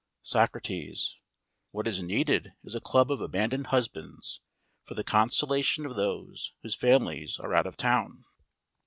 SOCRATES: What is needed is a Club of Abandoned Husbands, for the consolation of those whose families are out of town.